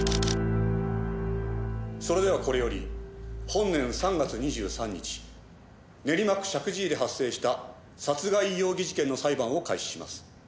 それではこれより本年３月２３日練馬区石神井で発生した殺害容疑事件の裁判を開始します。